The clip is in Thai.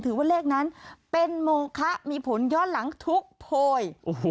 ว่าเลขนั้นเป็นโมคะมีผลย้อนหลังทุกโพย